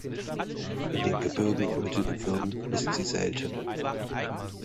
In den Gebirgen und Mittelgebirgen ist sie selten.